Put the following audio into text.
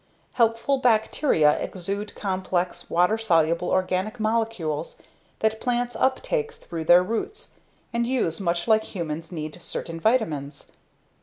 Helpful bacteria exude complex water soluble organic molecules that plants uptake through their roots and use much like humans need certain vitamins.